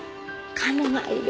カモがいる